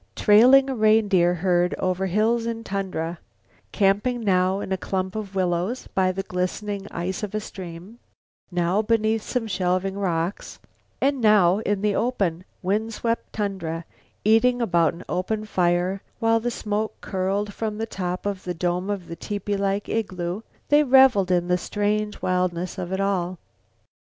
Trailing a reindeer herd over hills and tundra; camping now in a clump of willows by the glistening ice of a stream, now beneath some shelving rock, and now in the open, wind swept tundra; eating about an open fire, while the smoke curled from the top of the dome of the tepee like igloo, they reveled in the strange wildness of it all.